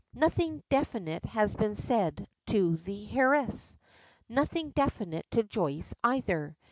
Nothing definite has been said to the heiress nothing definite to Joyce either.